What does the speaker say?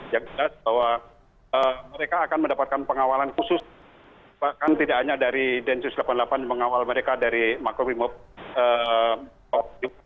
yang jelas bahwa mereka akan mendapatkan pengawalan khusus bahkan tidak hanya dari densus delapan puluh delapan mengawal mereka dari makobrimob